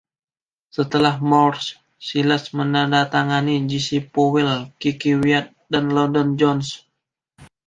Setelah Moore, Silas menandatangani Jesse Powell, Keke Wyatt, dan London Jones.